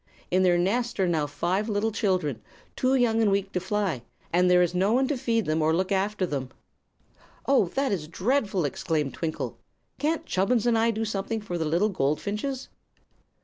In their nest are now five little children, too young and weak to fly, and there is no one to feed them or look after them." "Oh, that is dreadful!" exclaimed Twinkle. "Can't Chubbins and I do something for the little goldfinches?"